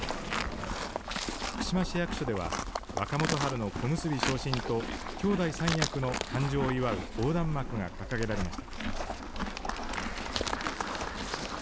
福島市役所では若元春の小結昇進と兄弟三役の誕生を祝う横断幕が掲げられました。